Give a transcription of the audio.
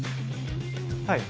はい。